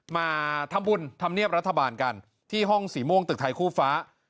มาทำบุญธรรมเนียบรัฐบาลกันที่ห้องสีม่วงตึกไทยคู่ฟ้า